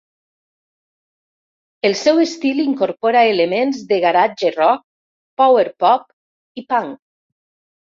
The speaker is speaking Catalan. El seu estil incorpora elements de garage rock, power-pop i punk.